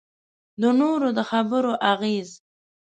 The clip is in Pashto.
د نورو د خبرو اغېز.